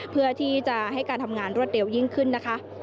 เพื่อที่จะให้การทำงานรวดเร็วยิ่งขึ้นนะคะ